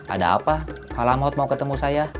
ada apa pak lamhot mau ketemu saya